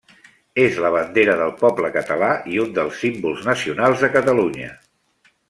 És la bandera del poble català i un dels símbols nacionals de Catalunya.